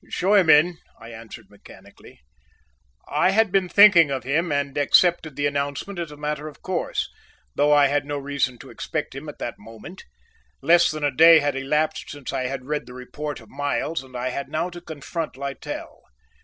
"Show him in," I answered mechanically. I had been thinking of him and accepted the announcement as a matter of course, though I had no reason to expect him at that moment. Less than a day had elapsed since I had read the report of Miles and I had now to confront Littell.